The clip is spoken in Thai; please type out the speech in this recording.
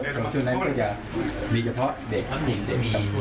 ตรงช่วงนั้นก็จะมีเฉพาะเด็กคุณเด็ก